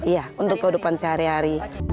iya untuk kehidupan sehari hari